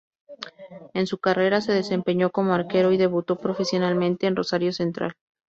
En su carrera se desempeñó como arquero y debutó profesionalmente en Rosario Central.